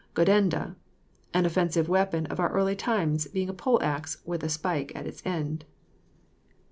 GODENDA. An offensive weapon of our early times, being a poleaxe with a spike at its end.